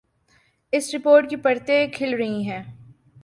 اس report کی پرتیں کھل رہی ہیں۔